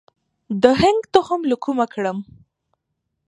د هنګ تخم له کومه کړم؟